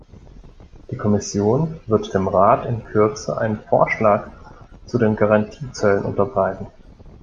Die Kommission wird dem Rat in Kürze einen Vorschlag zu den Garantiezöllen unterbreiten.